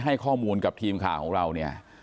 ให้ข้อมูลกับทีมข่าวของเราเนี่ย